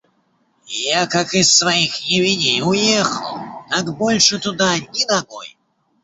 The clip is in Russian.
Я как из своих ебеней уехал, так больше туда ни ногой!